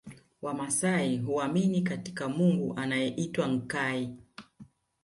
Wamaasai huamini katika Mungu anaeitwa Nkai